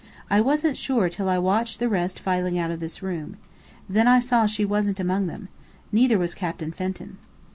I wasn't sure till I watched the rest filing out of this room. Then I saw she wasn't among them. Neither was Captain Fenton."